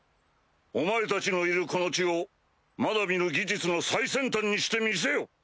お前たちのいるこの地をまだ見ぬ技術の最先端にしてみせよ！